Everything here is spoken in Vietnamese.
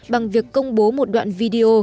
bằng việc công bố một đoạn video